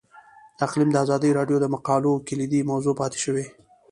اقلیم د ازادي راډیو د مقالو کلیدي موضوع پاتې شوی.